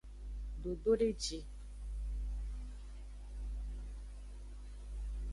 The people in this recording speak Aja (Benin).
Dododeji.